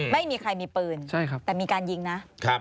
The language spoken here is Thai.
ไม่มีใครมีปืนแต่มีการยิงนะ